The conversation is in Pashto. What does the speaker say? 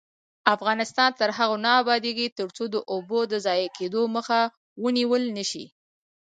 افغانستان تر هغو نه ابادیږي، ترڅو د اوبو د ضایع کیدو مخه ونیول نشي.